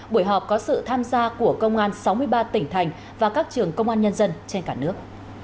buổi họp có sự tham gia của công an sáu mươi ba tỉnh thành và các trường công an nhân dân trên cả nước